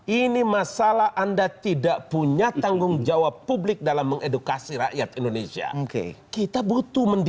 ini masalah anda tidak punya tanggung jawab publik dalam mengedukasi rakyat indonesia